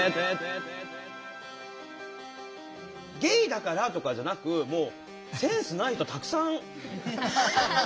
「ゲイだから」とかじゃなくもうセンスない人はたくさん。